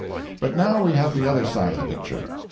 But now we have the other side of the picture.